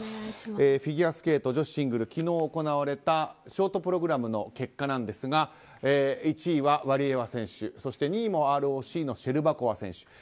フィギュアスケート女子シングル昨日行われたショートプログラムの結果ですが１位はワリエワ選手そして２位もＲＯＣのシェルバコワ選手